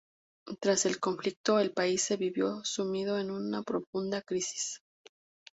Tras el conflicto, el país se vio sumido en una profunda crisis.